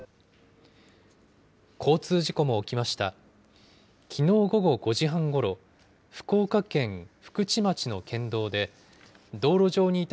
交通事故も起きました。